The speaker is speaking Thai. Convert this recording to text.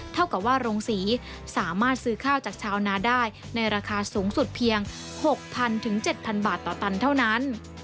เท่ากับว่าโรงศรีสามารถซื้อข้าวจากชาวนาได้ในราคาสูงสุดเพียง๖๐๐๐๗๐๐บาทต่อตันเท่านั้น